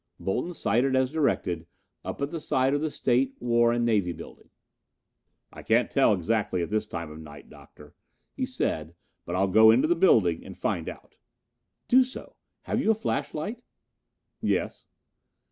Bolton sighted as directed up at the side of the State, War and Navy Building. "I can't tell exactly at this time of night, Doctor," he said, "but I'll go into the building and find out." "Do so. Have you a flashlight?" "Yes."